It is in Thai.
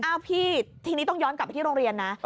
พี่ทีนี้ต้องย้อนกลับไปที่โรงเรียนนะ